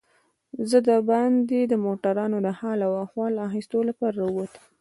زه دباندې د موټرانو د حال و احوال اخیستو لپاره راووتم.